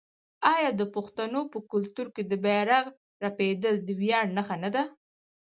آیا د پښتنو په کلتور کې د بیرغ رپیدل د ویاړ نښه نه ده؟